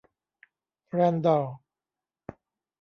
แรนดัลล์